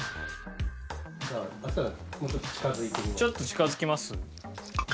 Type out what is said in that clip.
ちょっと近付きます？